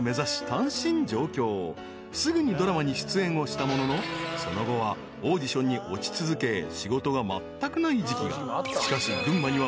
［すぐにドラマに出演をしたもののその後はオーディションに落ち続け仕事がまったくない時期が］